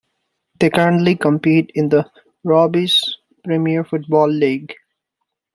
They currently compete in the Robbie's Premier Football League.